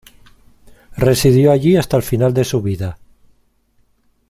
Residió allí hasta el final de su vida.